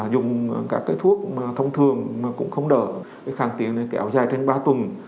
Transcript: dùng các cái thuốc thông thường mà cũng không đỡ cái khang tiếng này kéo dài trên ba tuần